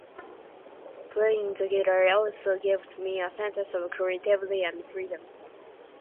Playing the guitar also gives me a sense of creativity and freedom.